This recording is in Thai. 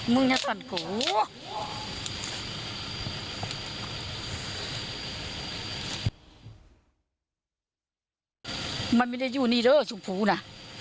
มันไม่ได้อยู่นี่เด้อชมพูน่ะ